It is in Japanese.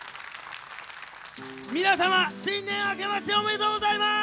皆様、新年明けましておめでとうございます！